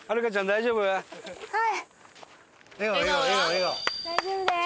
大丈夫です。